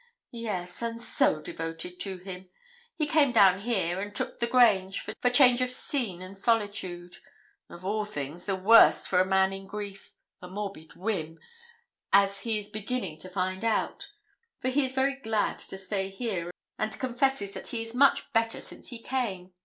'Yes, and so devoted to him. He came down here, and took The Grange, for change of scene and solitude of all things the worst for a man in grief a morbid whim, as he is beginning to find out; for he is very glad to stay here, and confesses that he is much better since he came.